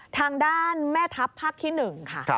ทางด้านแม่ทัพภาคที่๑ค่ะ